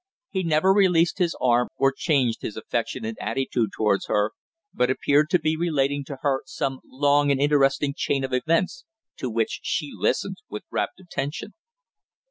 He never released her arm or changed his affectionate attitude towards her, but appeared to be relating to her some long and interesting chain of events to which she listened with rapt attention.